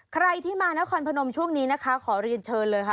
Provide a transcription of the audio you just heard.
ใครที่มานครพนมช่วงนี้นะคะขอเรียนเชิญเลยค่ะ